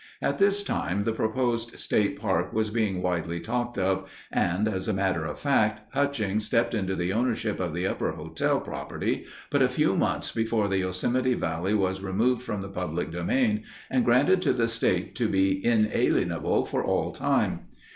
At this time the proposed state park was being widely talked of, and, as a matter of fact, Hutchings stepped into the ownership of the Upper Hotel property but a few months before the Yosemite Valley was removed from the public domain and granted to the state to be "inalienable for all time."